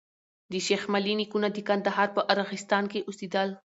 د شېخ ملي نيکونه د کندهار په ارغستان کي اوسېدل.